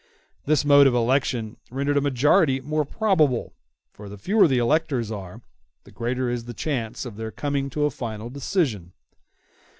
This mode of election rendered a majority more probable; for the fewer the electors are, the greater is the chance of their coming to a final decision.